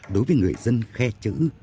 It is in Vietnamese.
đối với người dân khe chữ